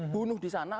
bunuh di sana